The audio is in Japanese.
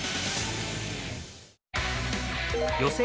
予選